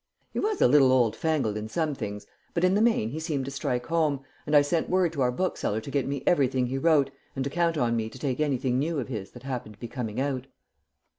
He was a little old fangled in some things, but in the main he seemed to strike home, and I sent word to our bookseller to get me everything he wrote, and to count on me to take anything new of his that happened to be coming out."